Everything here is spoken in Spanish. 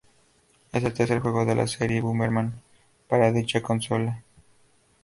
Es el tercer juego de la serie "Bomberman" para dicha consola.